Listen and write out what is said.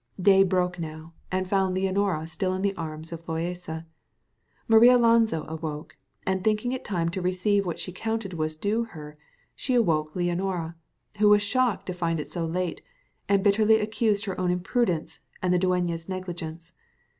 Day broke now, and found Leonora still in the arms of Loaysa. Marialonso awoke, and thinking it time to receive what she counted was due to her, she awoke Leonora, who was shocked to find it so late, and bitterly accused her own imprudence and the dueña's negligence.